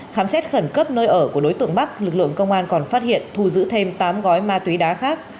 khám xét khẩn cấp nơi ở của đối tượng bắc lực lượng công an còn phát hiện thu giữ thêm tám gói ma túy đá khác